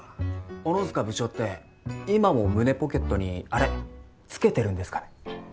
小野塚部長って今も胸ポケットにあれつけてるんですかね？